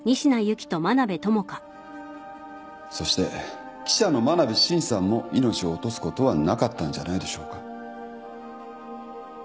そして記者の真鍋伸さんも命を落とすことはなかったんじゃないでしょうか。